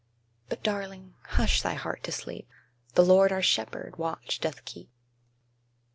But, darling, hush thy heart to sleep The Lord our Shepherd watch doth keep.